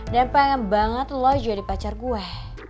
dan pengen banget lo jadi pacar gue